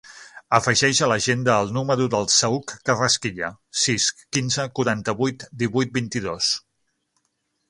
Afegeix a l'agenda el número del Saüc Carrasquilla: sis, quinze, quaranta-vuit, divuit, vint-i-dos.